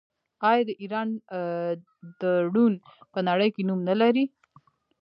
آیا د ایران ډرون په نړۍ کې نوم نلري؟